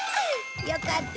よかった。